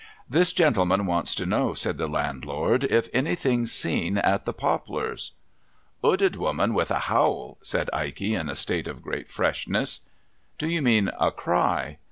' This gendeman wants to know,' said the landlord, ' if anything's seen at the Poplars.' ' 'Ooded woman with a howl,' said Ikey, in a state of great freshness. ' Do you mean a cry